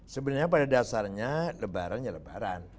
sebenarnya pada dasarnya lebarannya lebaran